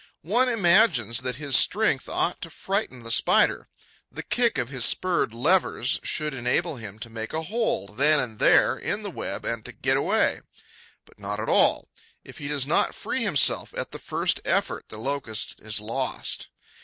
One imagines that his strength ought to frighten the Spider; the kick of his spurred levers should enable him to make a hole, then and there, in the web and to get away. But not at all. If he does not free himself at the first effort, the Locust is lost.